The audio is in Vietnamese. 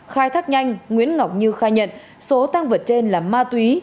khai thác nhanh nguyễn ngọc như khai nhận số tăng vật trên là ma túy